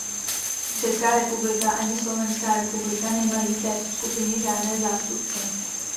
Česká republika ani Slovenská republika nemají v této skupině žádné zástupce.